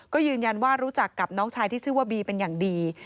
ก็ยืนยันว่ารู้จักกับน้องชายที่ชื่อว่าบีเป็นอย่างดี